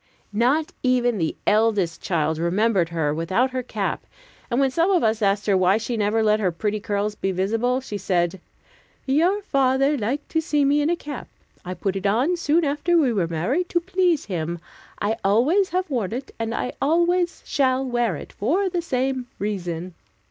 Not even the eldest child remembered her without her cap, and when some of us asked her why she never let her pretty curls be visible, she said, "Your father liked to see me in a cap. I put it on soon after we were married, to please him; I always have worn it, and I always shall wear it, for the same reason."